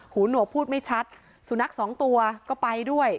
หนวกพูดไม่ชัดสุนัขสองตัวก็ไปด้วย